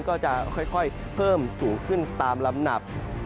ก็จะค่อยเพิ่มสูงขึ้นตามลำดับ